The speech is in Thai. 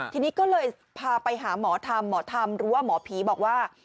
ทีนี้ก็เลยพาไปหาหมอธรรมหมอธรรมหรือว่าหมอผีบอกว่า